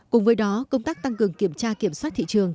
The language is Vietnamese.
cùng với đó công tác tăng cường kiểm tra kiểm soát thị trường